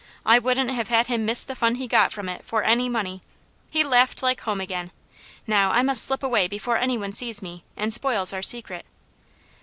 I wouldn't have had him miss the fun he got from it for any money. He laughed like home again. Now I must slip away before any one sees me, and spoils our secret.